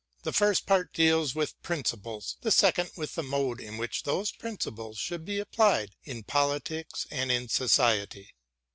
The first part deals with principles, the second with the mode in which those principles should be applied in politics and in society.